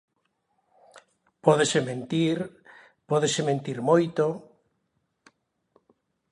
Pódese mentir, pódese mentir moito...